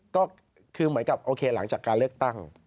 ก็คือเหมือนกับโอเคหลังจากการเลือกตั้ง